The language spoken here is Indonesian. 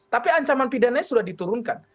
tapi ancaman pidananya sudah diturunkan